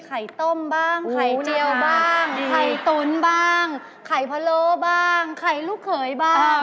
ไข่ต้มบ้างไข่เจียวบ้างไข่ตุ๋นบ้างไข่พะโลบ้างไข่ลูกเขยบ้าง